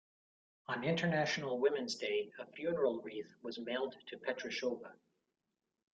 On International Women's Day, a funeral wreath was mailed to Petrushova.